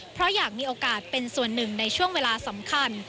เพราะอยากมีโอกาสเป็นส่วนหนึ่งในช่วงเวลาสำคัญ